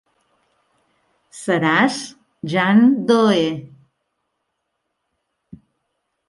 Seràs Jane Doe.